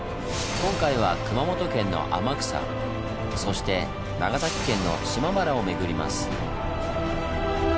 今回は熊本県の天草そして長崎県の島原を巡ります。